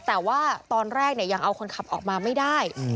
แต่ว่าตอนแรกยังเอาคนขับออกมาไม่ได้